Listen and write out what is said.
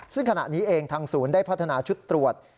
ซึ่งขณะนี้เองทางศูนย์ได้พัฒนาชุดตรวจ